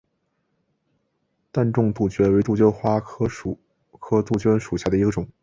淡钟杜鹃为杜鹃花科杜鹃属下的一个种。